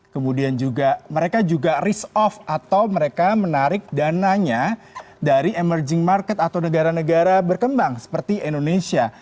kemudian juga mereka juga risk off atau mereka menarik dananya dari emerging market atau negara negara berkembang seperti indonesia